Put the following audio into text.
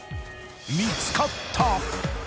［見つかった。